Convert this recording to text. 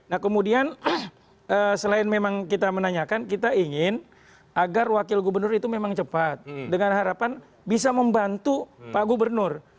nah kemudian selain memang kita menanyakan kita ingin agar wakil gubernur itu memang cepat dengan harapan bisa membantu pak gubernur